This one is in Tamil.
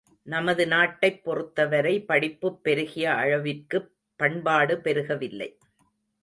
நமது நாட்டைப் பொறுத்தவரை படிப்புப் பெருகிய அளவிற்குப் பண்பாடு பெருகவில்லை.